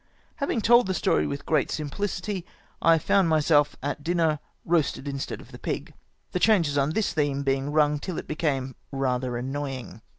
Having told the story with great simphcity, I found myseK at dinner roasted instead of the pig ; the changes on this theme being rung till it became rather annoy ing.